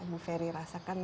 bu ferry rasakan